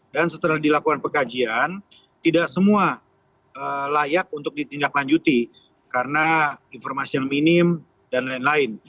dan setelah dilakukan pekajian tidak semua layak untuk ditindaklanjuti karena informasi yang minim dan lain lain